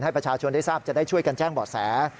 ประชาชนได้ทราบจะได้ช่วยกันแจ้งเบาะแส